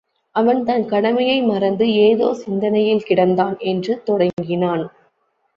அவன் தன் கடமையை மறந்து ஏதோ சிந்தனையில் கிடந்தான் என்று தொடங்கினான்.